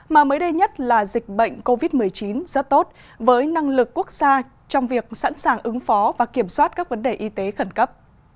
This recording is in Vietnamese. mà mới đây nhất là dịch bệnh covid một mươi chín rất tốt với năng lực quốc gia trong việc sẵn sàng ứng phó và kiểm soát các vấn đề y tế khẩn cấp